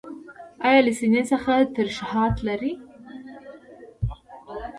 ایا له سینې څخه ترشحات لرئ؟